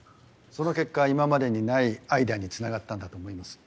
その結果今までにないアイデアにつながったんだと思います。